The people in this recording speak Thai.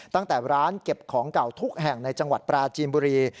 ตั้งแต่ร้านเก็บของเก่าทุกแห่งในจังหวัดปราจีนบุรี